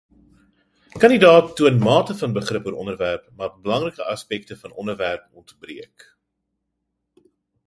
Kandidaat toon mate van begrip oor onderwerp, maar belangrike aspekte van onderwerp ontbreek.